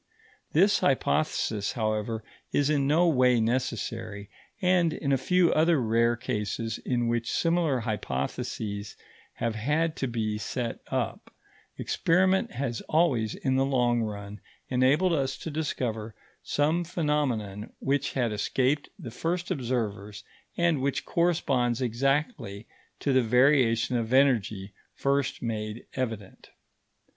This hypothesis, however, is in no way necessary; and in a few other rare cases in which similar hypotheses have had to be set up, experiment has always in the long run enabled us to discover some phenomenon which had escaped the first observers and which corresponds exactly to the variation of energy first made evident.